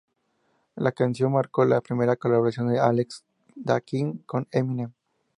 La canción marcó la primera colaboración de Alex da Kid con Eminem.